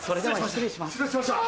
失礼しました。